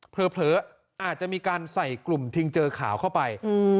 เผลออาจจะมีการใส่กลุ่มทิงเจอขาวเข้าไป